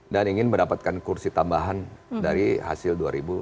dan ingin mendapatkan kursi tambahan dari hasil dua ribu sembilan belas